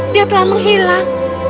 dia telah menghilang